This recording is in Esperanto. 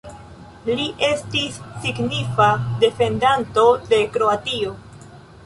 Li estis signifa defendanto de Kroatio.